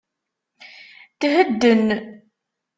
Thedden!